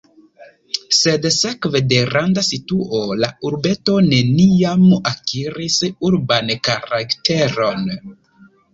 Sed sekve de randa situo la urbeto neniam akiris urban karakteron.